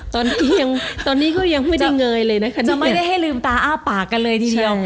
ตอนนี้ยังตอนนี้ก็ยังไม่ได้เงยเลยนะคะจะไม่ได้ให้ลืมตาอ้าปากกันเลยทีเดียว